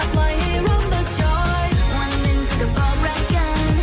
วันนึงถึงคำปอบรับกัน